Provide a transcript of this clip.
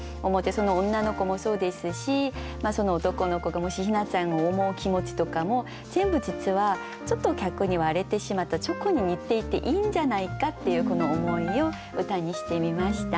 その女の子もそうですしその男の子がもしひなちゃんを思う気持ちとかも全部実はちょっと逆に割れてしまったチョコに似ていていいんじゃないかっていうこの思いを歌にしてみました。